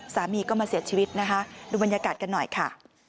สามีก็มาเสียชีวิตนะคะดูบรรยากาศกันหน่อยค่ะ